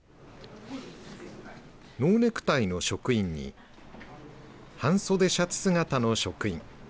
ノーネクタイの職員に半袖シャツ姿の職員。